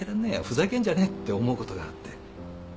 ふざけんじゃねえって思うことがあって。